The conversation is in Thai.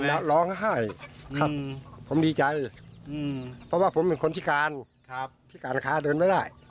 ผมร้องไห้ครับผมดีใจเพราะว่าผมเป็นคนพี่กัลพี่กัลอาคารเดินไปได้